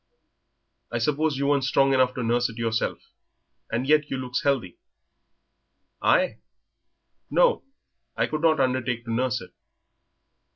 I suppose you weren't strong enough to nurse it yourself, and yet you looks healthy." "I? No, I could not undertake to nurse it."